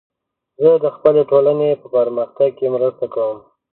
زه د خپلې ټولنې په پرمختګ کې مرسته کوم.